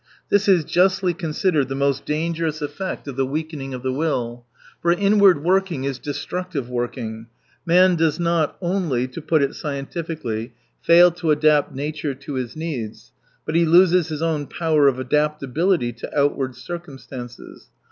This is justly considered the most dangerous effect of the weakening of the will. For inward working is destructive working. Man does not only, to put it scientifically, fail to adapt nature to his needs, but he loses his own power of adaptability to outward circumstances.